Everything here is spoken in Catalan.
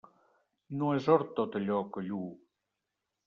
No és or tot allò que lluu.